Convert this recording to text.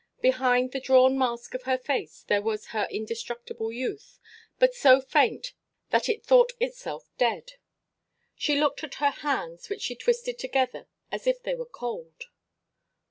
Behind the drawn mask of her face there was her indestructible youth, but so faint that it thought itself dead. She looked at her hands, which she twisted together as if they were cold.